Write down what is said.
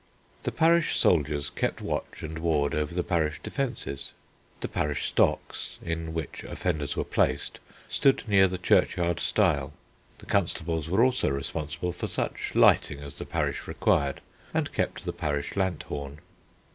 The parish soldiers kept watch and ward over the parish defences. The parish stocks, in which offenders were placed, stood near the churchyard stile. The constables were also responsible for such lighting as the parish required, and kept the parish lanthorn.